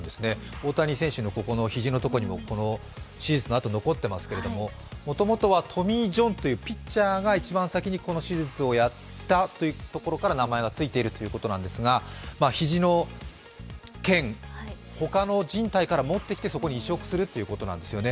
大谷選手の肘のところにも手術の痕が残っていますけれどももともとはトミー・ジョンというピッチャーが一番先にこの手術をやったということから名前がついているということなんですが、肘のけんを他のところから持ってきてそこに移殖するということなんですね。